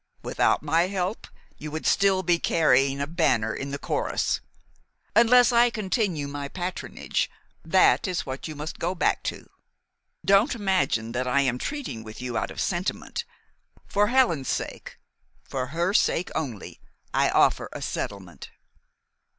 Without my help you would still be carrying a banner in the chorus. Unless I continue my patronage, that is what you must go back to. Don't imagine that I am treating with you out of sentiment. For Helen's sake, for her sake only, I offer a settlement."